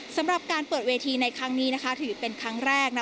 สำหรับการเปิดเวทีในครั้งนี้นะคะถือเป็นครั้งแรก